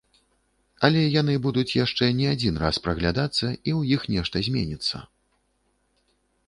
Але яны будуць яшчэ не адзін раз праглядацца і ў іх нешта зменіцца.